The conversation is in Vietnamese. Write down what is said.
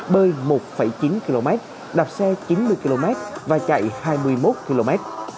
bơi một chín km đạp xe chín mươi km và chạy hai mươi một km